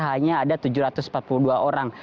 hanya ada tujuh ratus empat puluh dua orang